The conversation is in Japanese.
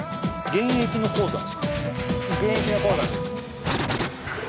現役の鉱山です